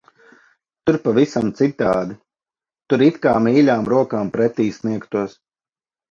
Tur pavisam citādi. Tur it kā mīļām rokām pretī sniegtos.